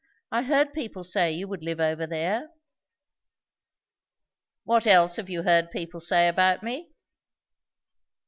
I heard people say you would live over there." "What else have you heard people say about me?"